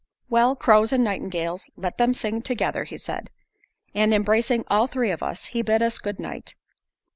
"Well, crows and nightingales let them sing together," he said; and embracing all three of us, he bid us goodnight.